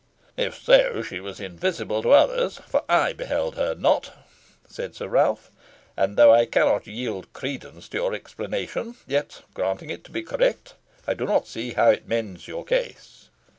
"If so, she was invisible to others, for I beheld her not," said Sir Ralph; "and, though I cannot yield credence to your explanation, yet, granting it to be correct, I do not see how it mends your case."